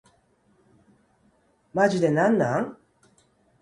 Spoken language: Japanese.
マジでなんなん